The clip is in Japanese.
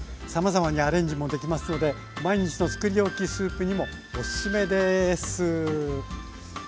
さまざまにアレンジもできますので毎日の作り置きスープにもおすすめです。